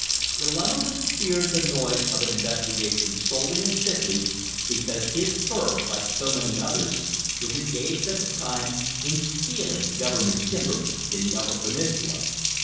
The lumberman feared the noise of an investigation solely and simply because his firm, like so many others, was engaged at the time in stealing government timber in the upper peninsula.